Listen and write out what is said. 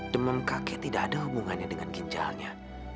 demam kakek tidak ada hubungannya dengan ginjalnya